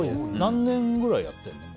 何年ぐらいやってるの？